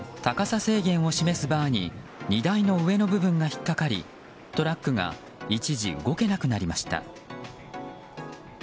高さ制限を示すバーに荷台の上の部分が引っかかり、トラックが一時動けなくなりました。